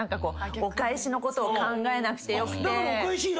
お返しのことを考えなくてよくて。